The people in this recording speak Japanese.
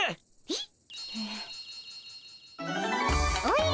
えっ？